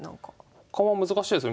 他は難しいですよね